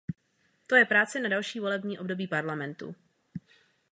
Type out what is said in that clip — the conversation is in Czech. To je práce na další volební období parlamentu.